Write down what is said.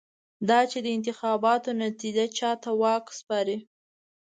دا چې د انتخاباتو نتېجه چا ته واک سپاري.